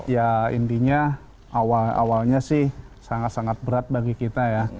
ya intinya awalnya sih sangat sangat berat bagi kita ya